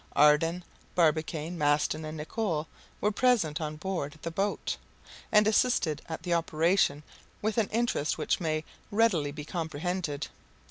Ardan, Barbicane, Maston, and Nicholl were present on board the boat, and assisted at the operation with an interest which may readily be comprehended.